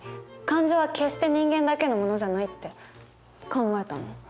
感情は決して人間だけのものじゃない」って考えたの。